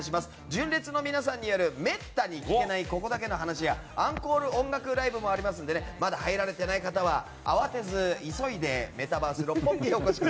純烈の皆さんによるメッタに聞けないココだけの話やアンコール音楽ライブもありますのでまだ入られていない方は慌てず、急いでメタバース六本木に。